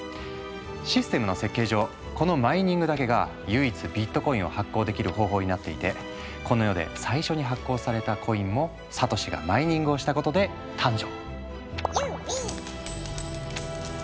システムの設計上このマイニングだけが唯一ビットコインを発行できる方法になっていてこの世で最初に発行されたコインもサトシがマイニングをしたことで誕生。